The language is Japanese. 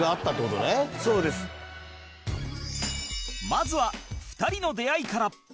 まずは２人の出会いから